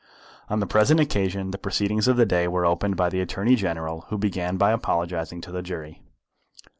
On the present occasion the proceedings of the day were opened by the Attorney General, who began by apologising to the jury.